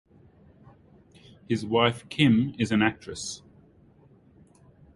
His wife, Kim, is an actress.